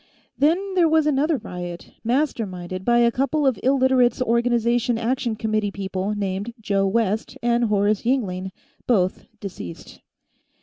"Then, there was another riot, masterminded by a couple of Illiterates' Organization Action Committee people named Joe West and Horace Yingling, both deceased.